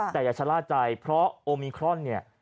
แต่อย่าชะละใจเพราะโอมิครอน